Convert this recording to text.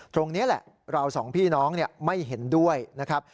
ตรงนี้แหละเราสองพี่น้องไม่เห็นด้วยนะครับ